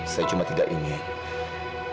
saya cuma tidak ingin